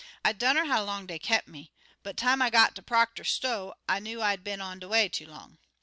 I dunner how long dey kep' me, but time I got ter Proctor's sto', I know'd I'd been on de way too long.